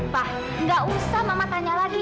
pak nggak usah mama tanya lagi